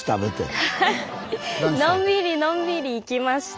のんびりのんびり行きました。